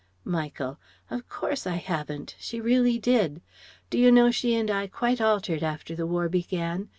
Michael: "Of course I haven't. She really did. Do you know, she and I quite altered after the War began?